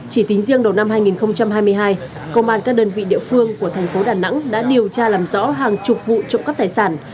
chỉ tính riêng đầu năm hai nghìn hai mươi hai công an các đơn vị địa phương của thành phố đà nẵng đã điều tra làm rõ hàng chục vụ trộm cắp tài sản